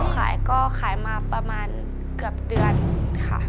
ขายก็ขายมาประมาณเกือบเดือนค่ะ